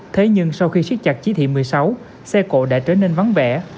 thế nhưng sau khi siết chặt chỉ thị một mươi sáu xe cộ đã trở nên vắng vẻ